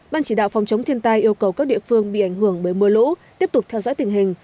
ban chỉ đạo phòng chống thiên tai yêu cầu các địa phương bị ảnh hưởng bởi mưa lũ tiếp tục theo dõi tình hình